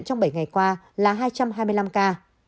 trong bảy ngày qua là hai trăm hai mươi năm ca